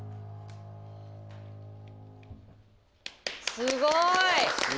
すごい。